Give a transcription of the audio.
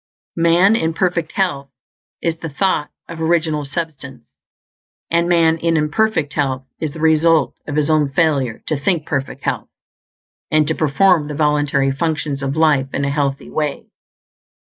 Man in perfect health is the thought of Original Substance, and man in imperfect health is the result of his own failure to think perfect health, and to perform the voluntary functions of life in a healthy way.